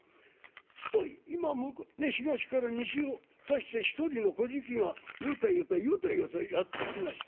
すると今ねっ東から西を指して一人のこじきがよたよたよたよたやって来ました。